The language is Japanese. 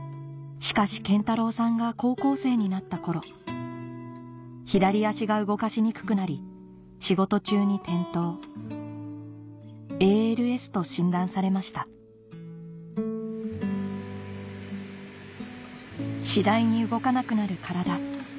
しかし謙太郎さんが高校生になった頃左足が動かしにくくなり仕事中に転倒ＡＬＳと診断されました次第に動かなくなる体